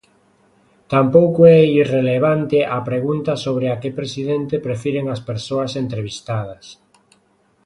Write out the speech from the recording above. Tampouco é irrelevante a pregunta sobre a que presidente prefiren as persoas entrevistadas.